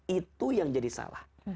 itu yang jadi salah